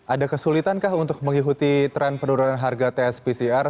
ada kesulitan kah untuk mengikuti tren penurunan harga tspcr